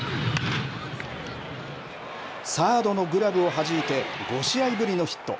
サードのグラブをはじいて５試合ぶりのヒット。